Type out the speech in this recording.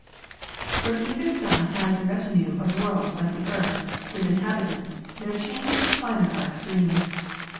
For if either sun has a retinue of worlds like the Earth, with inhabitants, their changes of climate are extreme.